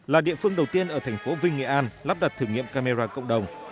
là địa phương đầu tiên ở thành phố vinh nghệ an lắp đặt thử nghiệm camera cộng đồng